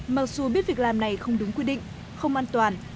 mặc dù biết việc làm này không đúng quy định không an toàn